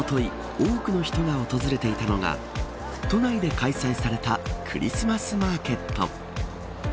多くの人が訪れていたのが都内で開催されたクリスマスマーケット。